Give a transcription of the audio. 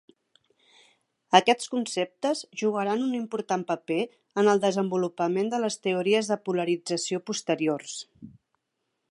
Aquests conceptes jugaran un important paper en el desenvolupament de les teories de polarització posteriors.